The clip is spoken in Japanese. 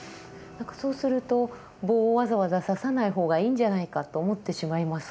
そうすると棒をわざわざささない方がいいんじゃないかと思ってしまいますが。